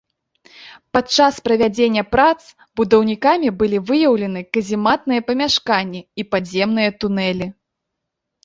Падчас правядзення прац, будаўнікамі былі выяўлены казематныя памяшканні і падземныя тунэлі.